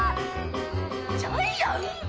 ジャイアン！？